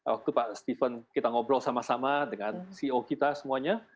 waktu pak steven kita ngobrol sama sama dengan ceo kita semuanya